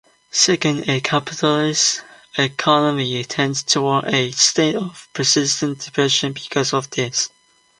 Second, a capitalist economy tends toward a state of persistent depression because of this.